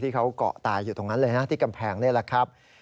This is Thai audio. เกาะตายอยู่ตรงนั้นเลยนะที่กำแพงนี่แหละครับ